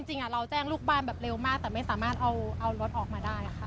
จริงเราแจ้งลูกบ้านแบบเร็วมากแต่ไม่สามารถเอารถออกมาได้ค่ะ